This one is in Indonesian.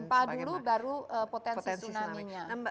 gempa dulu baru potensi tsunami